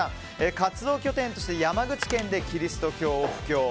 活動拠点として山口県でキリスト教を布教。